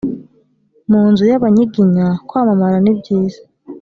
mu nzu y abanyiginya kwamamara nibyiza